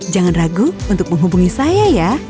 jangan ragu untuk menghubungi saya ya